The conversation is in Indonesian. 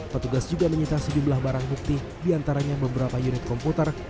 petugas juga menyita sejumlah barang bukti diantaranya beberapa unit komputer